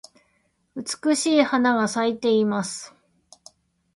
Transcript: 美しい花が咲いています。